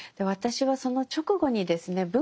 私はその直後にですね